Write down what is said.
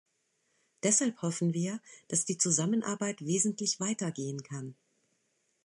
Deshalb hoffen wir, dass die Zusammenarbeit wesentlich weiter gehen kann.